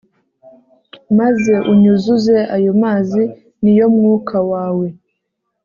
Maze unyuzuze ayomazi niyo mwuka wawe